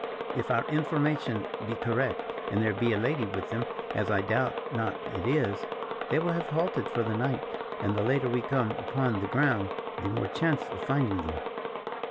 "If our information be correct, and there be a lady with them, as I doubt not it is, they will have halted for the night, and the later we come upon the ground, the more chance of finding them."